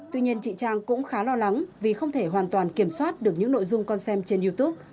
tuy nhiên chị trang cũng khá lo lắng vì không thể hoàn toàn kiểm soát được những nội dung con xem trên youtube